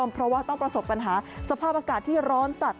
เพราะว่าต้องประสบปัญหาสภาพอากาศที่ร้อนจัด